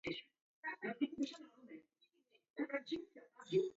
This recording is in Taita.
Nakaiagha na kuw'aw'a kubaa ngolonyi.